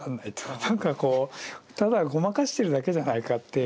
何かこうただごまかしてるだけじゃないかって。